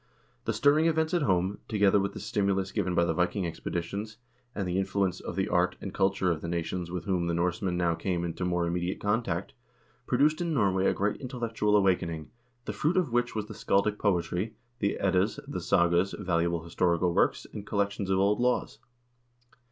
The stirring events at home, together with the stimulus given by the Viking expeditions, and the influence of the art and culture of the nations with whom the Norsemen now came into more EVENTS IN THE COLONIES 129 immediate contact, produced in Norway a great intellectual awaken ing, the fruit of which was the scaldic poetry, the Eddas, the sagas, valuable historical works, and collections of old laws.